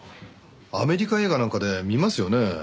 アメリカ映画なんかで見ますよね